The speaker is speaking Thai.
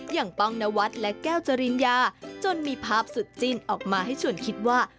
ป้องนวัดและแก้วจริญญาจนมีภาพสุดจิ้นออกมาให้ชวนคิดว่า